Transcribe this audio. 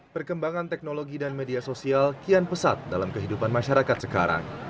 perkembangan teknologi dan media sosial kian pesat dalam kehidupan masyarakat sekarang